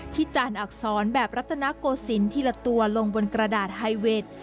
จานอักษรแบบรัตนโกศิลป์ทีละตัวลงบนกระดาษไฮเวท